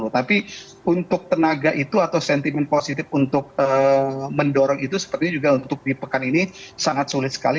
tapi untuk tenaga itu atau sentimen positif untuk mendorong itu sepertinya juga untuk di pekan ini sangat sulit sekali